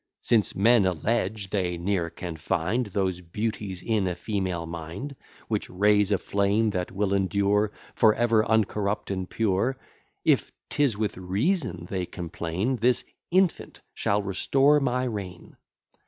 Since men allege, they ne'er can find Those beauties in a female mind, Which raise a flame that will endure For ever uncorrupt and pure; If 'tis with reason they complain, This infant shall restore my reign.